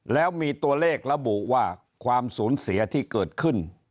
แล้วมีตัวเลขระบุว่าความสูญเสียที่เกิดขึ้น